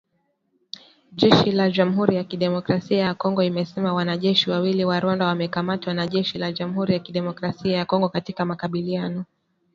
jeshi la Jamhuri ya Kidemokrasia ya Kongo imesema wanajeshi wawili wa Rwanda wamekamatwa na jeshi la Jamhuri ya Kidemokrasia ya Kongo katika makabiliano